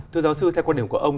thưa giáo sư theo quan điểm của ông